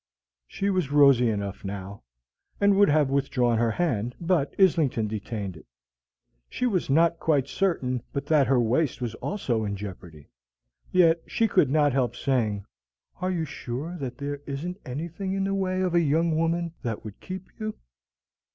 She was rosy enough now, and would have withdrawn her hand, but Islington detained it. She was not quite certain but that her waist was also in jeopardy. Yet she could not help saying, "Are you sure that there isn't anything in the way of a young woman that would keep you?"